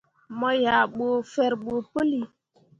Mo yah ɓu ferɓo puli.